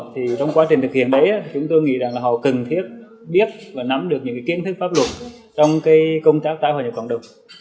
thì trong quá trình thực hiện ấy thì chúng tôi nghĩ rằng là họ cần thiết biết và nắm được những kiến thức pháp luật trong cái công tác tái hòa nhập cộng đồng